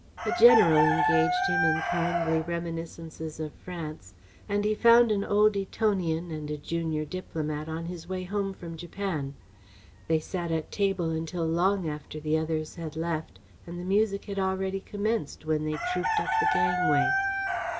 A general engaged him in kindly reminiscences of France, and he found an old Etonian, and a junior diplomat on his way home from Japan. They sat at table until long after the others had left, and the music had already commenced when they trooped up the gangway.